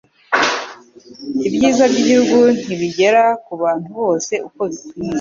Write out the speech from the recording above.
ibyiza by'igihugu ntibigera ku bantu bose uko bikwiye,